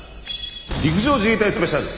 陸上自衛隊スペシャル！